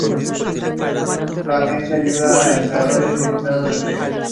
Su desempeño en ese torneo fue destacado, ocupando la quinta posición.